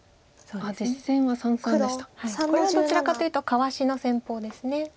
これはどちらかというとかわしの戦法です。